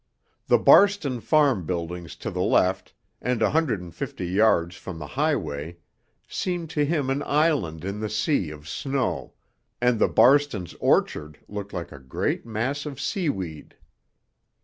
The Barston farm buildings to the left and a hundred and fifty yards from the highway seemed to him an island in the sea of snow and the Barstons' orchard looked like a great mass of seaweed.